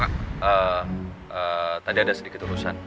karena tadi ada sedikit urusan